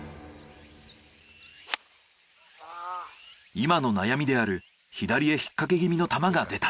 今の悩みである左へ引っかけ気味の球が出た。